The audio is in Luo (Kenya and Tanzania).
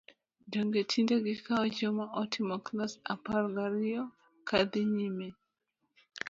Donge tinde gikawo joma otimo klas apar gariyo ka dhi nyime!